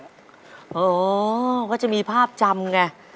โอ้โหก็จะมีภาพจำไง